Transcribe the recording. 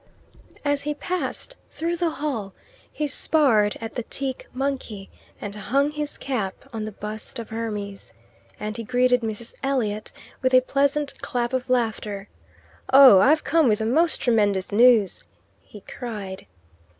As he passed through the hall he sparred at the teak monkey, and hung his cap on the bust of Hermes. And he greeted Mrs. Elliot with a pleasant clap of laughter. "Oh, I've come with the most tremendous news!" he cried.